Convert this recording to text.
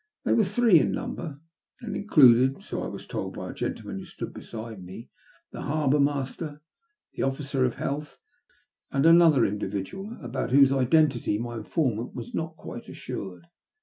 They were three in number, and included — so I was told by a gentleman who stood beside me — the harbour master, the officer of health, and another individual, about whose identity my informant was not quite assured.